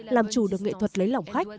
làm chủ được nghệ thuật lấy lòng khách